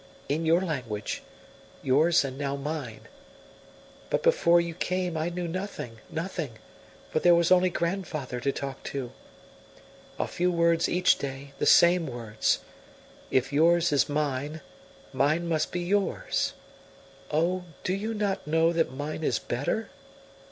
In your language yours and now mine. But before you came I knew nothing, nothing, for there was only grandfather to talk to. A few words each day, the same words. If yours is mine, mine must be yours. Oh, do you not know that mine is better?"